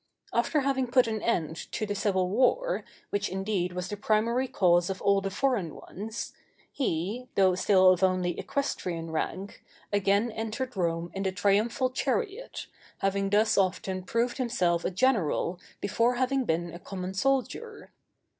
After having put an end to the civil war, which indeed was the primary cause of all the foreign ones, he, though still of only equestrian rank, again entered Rome in the triumphal chariot, having thus often proved himself a general before having been a common soldier.